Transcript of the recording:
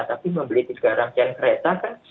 tapi membeli tiga rangkaian kereta kan